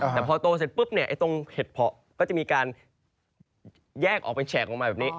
แต่พอโตเสร็จปุ๊บเนี่ยไอ้ตรงเห็ดเพาะก็จะมีการแยกออกเป็นแฉกลงมาแบบนี้